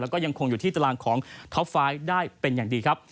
แล้วก็ยังคงอยู่ที่ตารางของท็อปไฟล์ได้เป็นอย่างดีครับ